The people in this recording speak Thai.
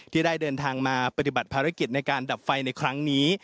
ที่ได้เดินทางมาปฏิบัติภารกิจในการดับไฟในครั้งนี้